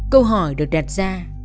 câu hỏi được đặt ra